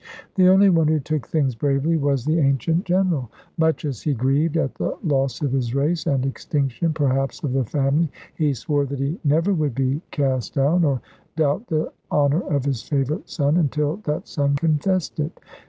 The only one who took things bravely was the ancient General. Much as he grieved at the loss of his race, and extinction, perhaps, of the family, he swore that he never would be cast down, or doubt the honour of his favourite son, until that son confessed it.